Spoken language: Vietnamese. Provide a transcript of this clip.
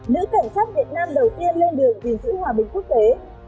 nữ cảnh sát việt nam đầu tiên lên đường gìn giữ hòa bình quốc tế